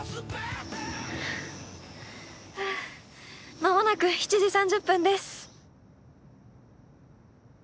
間もなく７時３０分です。